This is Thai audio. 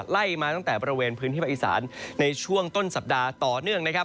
ไล่มาตั้งแต่บริเวณพื้นที่ภาคอีสานในช่วงต้นสัปดาห์ต่อเนื่องนะครับ